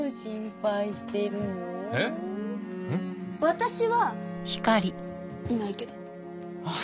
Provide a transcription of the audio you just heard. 私はいないけどあっ